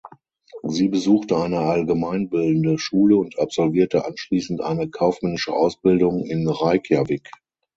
Sie besuchte eine allgemeinbildende Schule und absolvierte anschließend eine kaufmännische Ausbildung in Reykjavik.